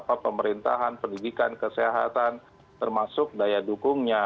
pemerintahan pendidikan kesehatan termasuk daya dukungnya